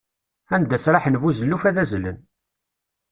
Anda sraḥen buzelluf ad azzlen.